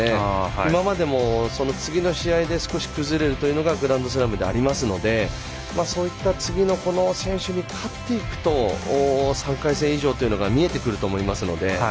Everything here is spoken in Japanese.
今までも次の試合で崩れるというのがグランドスラムでありますのでそういった次の選手に勝っていくと３回戦以上が見えてくると思いますので。